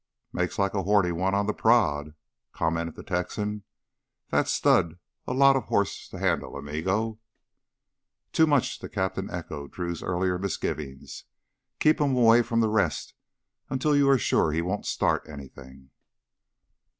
"Makes like a horny one on the prod," commented the Texan. "That's stud's a lotta hoss to handle, amigo." "Too much," the captain echoed Drew's earlier misgivings. "Keep him away from the rest until you're sure he won't start anything!"